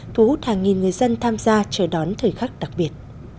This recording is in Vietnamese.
thu hút hàng nghìn người dân tham gia chờ đón thời khắc đặc biệt